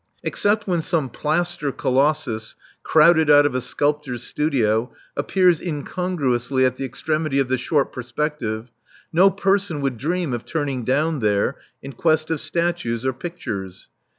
Except when some plaster colossus, crowded out of a sculptor's studio, appears incongruously at the extremity of the short perspec tive, no person would dream of turning down there in quest of statues or pictures.